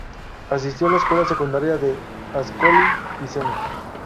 Asistió a la escuela secundaria en Ascoli Piceno.